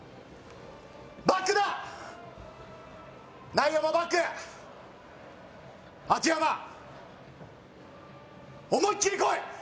バックだ内野もバック秋山思いっきりこい！